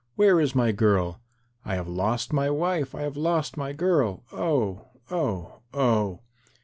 Where is my girl? I have lost my wife. I have lost my girl. Oh, oh, oh."